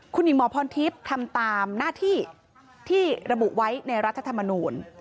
คุณหญิงหมอพรทิพย์ทำตามหน้าที่ที่ระบุไว้ในรัฐธรรมนูล